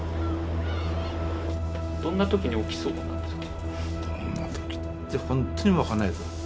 どんな時に起きそうなんですか？